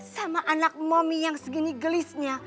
sama anak momi yang segini gelisnya